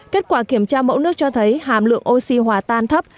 kết quả kiểm tra mẫu nước cho thấy hàm lượng oxy hòa tan thấp